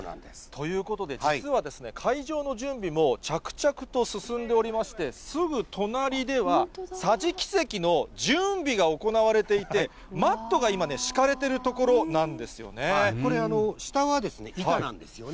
ということで、実は会場の準備も着々と進んでおりまして、すぐ隣では、桟敷席の準備が行われていて、マットが今ね、これ、下は板なんですよね。